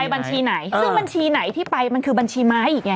บัญชีไหนซึ่งบัญชีไหนที่ไปมันคือบัญชีไม้อีกไง